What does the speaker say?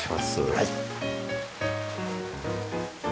はい。